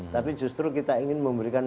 tapi justru kita ingin memberikan